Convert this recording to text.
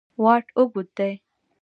واټ اوږد دی.